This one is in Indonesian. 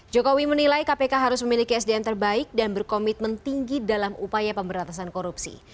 jokowi menilai kpk harus memiliki sdm terbaik dan berkomitmen tinggi dalam upaya pemberantasan korupsi